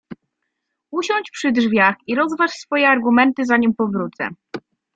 Usiądź przy drzwiach i rozważ swoje argumenty, zanim powrócę.